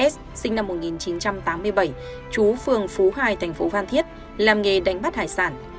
s sinh năm một nghìn chín trăm tám mươi bảy chú phường phú hải thành phố phan thiết làm nghề đánh bắt hải sản